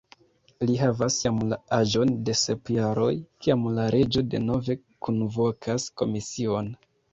Li havas jam la aĝon de sep jaroj, kiam la reĝo denove kunvokas komision.